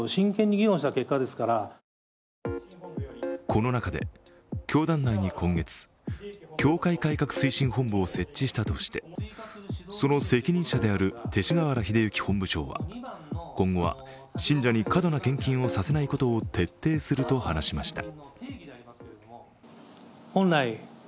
この中で、教団内に今月、教会改革推進本部を設置したとしてその責任者である勅使河原秀行本部長は今後は信者に過度な献金をさせないことを徹底すると話しました。